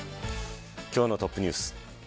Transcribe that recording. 今日のトップニュース。